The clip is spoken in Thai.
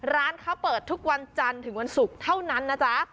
ร้านเขาเปิดทุกวันจันทร์ถึงวันศุกร์เท่านั้นนะจ๊ะ